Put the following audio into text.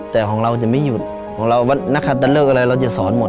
แต่ของเราจะไม่หยุดของเรานักคันตะเลิกอะไรเราจะสอนหมด